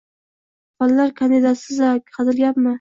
Fanlar kandidatisiz-a. Hazil gapmi!